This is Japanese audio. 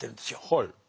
はい。